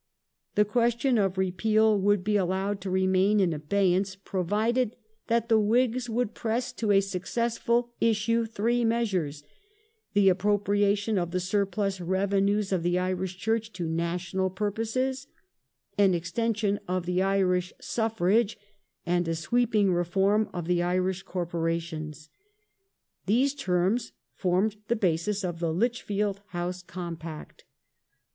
The question of repeal would be allowed to remain in abeyance, provided that the Whigs \ would press to a successful issue three measures : the appropriation of the surplus revenues of the Irish Church to national purposes ; 1 an extension of the Irish suffrage ; and a sweeping reform of the I Irish corporations. These terms formed the basis of the ''Lich field House Compact".